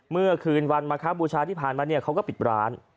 เมื่อคืนวันมะค้าบูชาที่ผ่านมาเขาก็ปิดร้าน